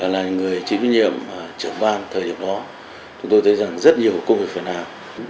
là người chính viên nhiệm trưởng ban thời điểm đó chúng tôi thấy rằng rất nhiều công việc phần nào